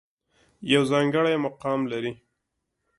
يو ځانګړے مقام لري